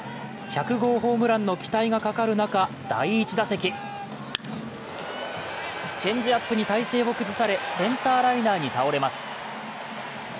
１００号ホームランの期待がかかる中第１打席チェンジアップに体勢を崩され、センターライナーに倒れます。